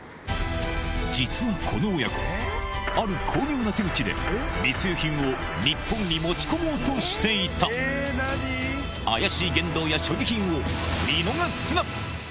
実はこの親子ある巧妙な手口で密輸品を日本に持ち込もうとしていた怪しい言動や所持品を見逃すな！